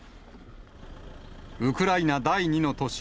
ウクライナ第２の都市